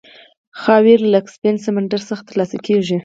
خاویار له کسپین سمندر څخه ترلاسه کیږي.